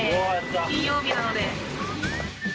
金曜日なので。